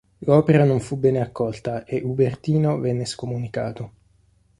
L'opera non fu bene accolta e Ubertino venne scomunicato.